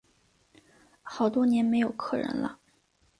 好多年没有客人了